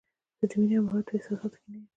زه د مینې او محبت په احساساتو کې نه یم.